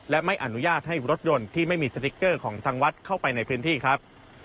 และไม่อนุญาตให้รถยนต์ที่ไม่มีสติ๊กเกอร์ของทางวัดเข้าไปในพื้นที่ครับ